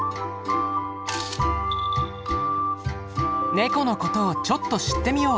ネコのことをちょっと知ってみよう。